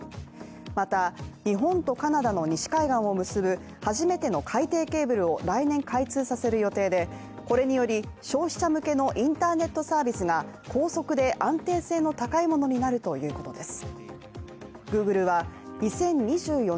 また、日本とカナダの西海岸を結ぶ初めての海底ケーブルを来年開通させる予定でこれにより消費者向けのインターネットサービスが高速で安定性の高いものになるということです